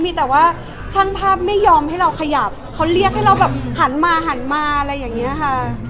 มีแต่ว่าช่างภาพไม่ยอมให้เราขยับเขาเรียกให้เราแบบหันมาหันมาอะไรอย่างนี้ค่ะ